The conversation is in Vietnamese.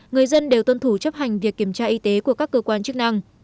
người dân đều tuân thủ chấp hành việc kiểm tra y tế của các cơ quan chức năng